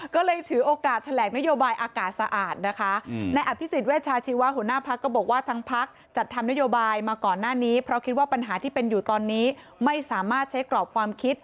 ก็เลยถือโอกาสแถลกนโยบายอากาศสะอาดนะคะในอภิษฐ์เวชาชีวาหัวหน้าภักษ์ก็บอกว่า